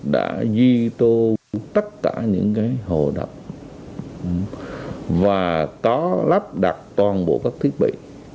đã di tố tất cả những cái hồ đập và có lắp đặt toàn bộ các thiết bị